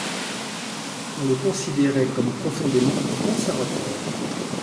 On le considérait comme profondément conservateur.